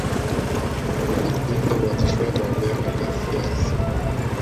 Walipinga uanzishwaji wa vyama vya siasa